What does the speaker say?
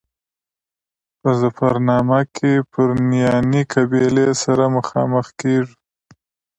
په ظفرنامه کې پرنیاني قبیلې سره مخامخ کېږو.